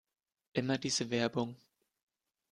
Immer diese Werbung!